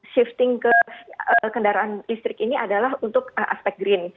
shifting ke kendaraan listrik ini adalah untuk aspek green